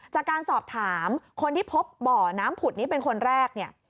จากการสอบถามคนที่พบบ่อน้ำผุดนี้เป็นคนแรกเนี่ย